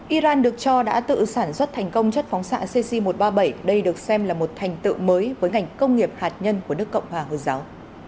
iran được cho đã tự sản xuất thành công chất phóng xạ cc một trăm ba mươi bảy đây được xem là một thành tựu mới với ngành công nghiệp hạt nhân của nước cộng hòa hồi giáo